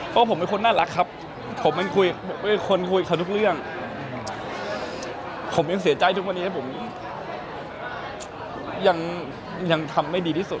เพราะผมเป็นคนน่ารักครับผมเป็นคนคุยเขาทุกเรื่องผมยังเสียใจทุกวันนี้ผมยังทำได้ดีที่สุด